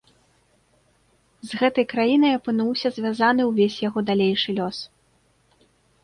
З гэтай краінай апынуўся звязаны ўвесь яго далейшы лёс.